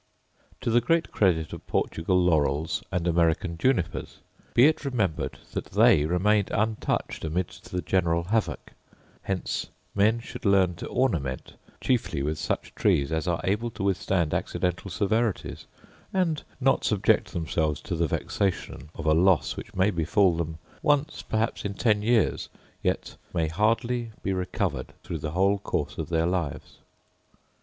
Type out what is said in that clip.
To the great credit of Portugal laurels and American junipers, be it remembered that they remained untouched amidst the general havoc: hence men should learn to ornament chiefly with such trees as are able to withstand accidental severities, and not subject themselves to the vexation of a loss which may befall them once perhaps in ten years, yet may hardly be recovered through the whole course of their lives.